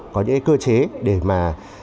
có những cơ chế để mà